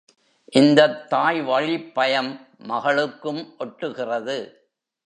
இந்தத் தாய்வழிப்பயம் மகளுக்கும் ஒட்டுகிறது.